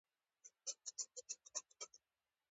ځوان راغی.